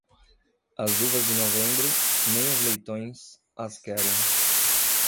As uvas de novembro, nem os leitões, as querem.